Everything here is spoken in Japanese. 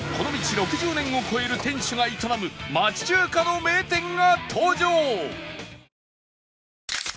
６０年を超える店主が営む町中華の名店が登場！